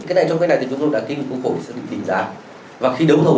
lúc này chúng ta cứ nói là tại sao chỉnh thầu